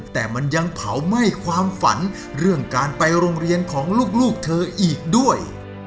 แต่มันยังเผาไหม้ความฝันเรื่องการไปโรงเรียนของลูกเธออีกด้วย